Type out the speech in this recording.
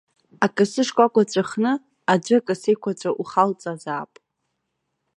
Акасы шкәакәа ҵәахны, аӡәы акасеиқәаҵәа ухалҵазаап.